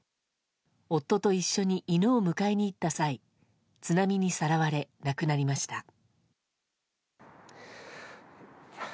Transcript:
夫と一緒に犬を迎えに行った際津波にさらわれ、亡くなりました。